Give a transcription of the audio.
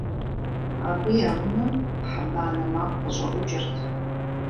Абы я унэм хьэ банэ макъ къыщӀэӀукӀырт.